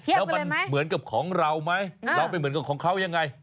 แล้วมันเหมือนกับของเราไหมเราไปเหมือนกับของเขายังไง